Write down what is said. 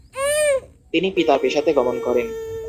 তিনি পিতার পেশাতে গমন করেন।